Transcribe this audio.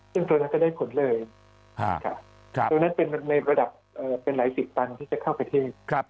ซึ่งตัวนั้นก็ได้ผลเลยตรงนั้นเป็นในระดับเป็นหลายสิบตันที่จะเข้าประเทศ